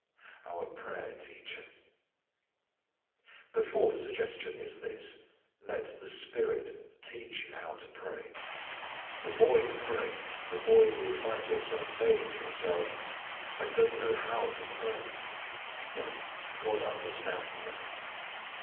Our Prayer Teacher. The fourth suggestion is this: Let the Spirit teach you how to pray. The more you pray the more you will find yourself saying to yourself, "I don't know how to pray." Well God understands that.